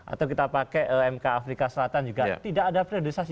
atau kita pakai mk afrika selatan juga tidak ada priorisasi